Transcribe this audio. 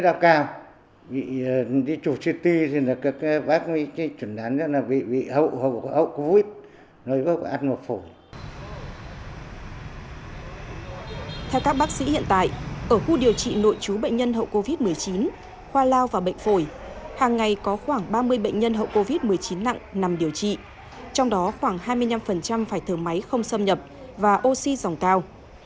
theo các bác sĩ hiện tại ở khu điều trị nội chú bệnh nhân hậu covid một mươi chín khoa lao và bệnh phổi hàng ngày có khoảng ba mươi bệnh nhân hậu covid một mươi chín nặng nằm điều trị trong đó khoảng hai mươi năm phải thở máy không xâm nhập và oxy dòng cao